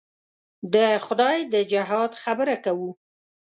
د خدای د جهاد خبره کوو.